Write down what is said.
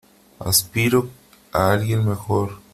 Aspiro a alguien mejor.